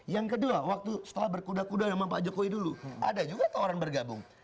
yang kedua waktu setelah berkuda kuda sama pak jokowi dulu ada juga orang bergabung